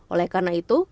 oleh karena itu